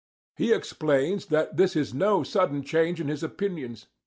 He explains that this is no sudden change in his opinions.